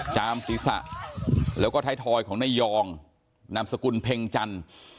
จามศีรษะแล้วก็ท้ายทอยของนายยองนามสกุลเพ็งจันทร์